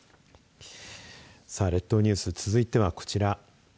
さあ、列島ニュース続いてはこちら。